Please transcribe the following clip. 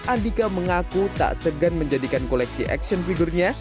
andika mengaku tak segan menjadikan koleksi action figure nya